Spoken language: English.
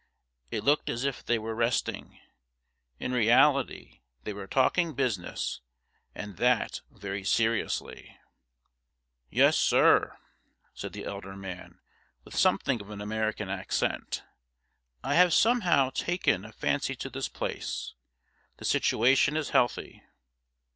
It looked as if they were resting. In reality they were talking business, and that very seriously. 'Yes, sir,' said the elder man, with something of an American accent, 'I have somehow taken a fancy to this place. The situation is healthy.'